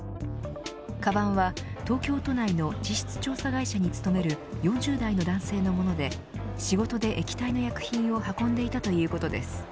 かばんは、東京都内の地質調査会社に勤める４０代の男性のもので仕事で液体の薬品を運んでいたということです。